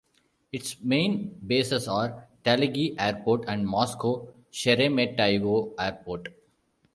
Its main bases are Talagi Airport and Moscow Sheremetyevo Airport.